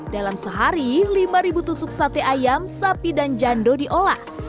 dalam sehari lima tusuk sate ayam sapi dan jando diolah